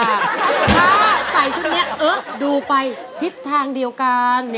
ถ้าใส่ชุดนี้ดูไปทิศทางเดียวกัน